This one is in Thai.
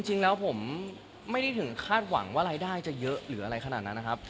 จริงแล้วผมไม่ได้ถึงคาดหวังว่ารายได้จะเยอะหรืออะไรขนาดนั้นนะครับ